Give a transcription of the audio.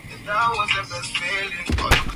inaweza kuwa ngumu kutangaza kifaa cha umeme